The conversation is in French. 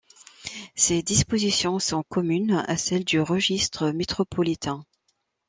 Ces dispositions sont communes à celles du registre métropolitain.